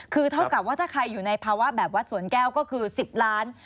คือเท่ากับว่าถ้าใครอยู่ในภาวะแบบวัดสวนแก้วก็คือ๑๐ล้าน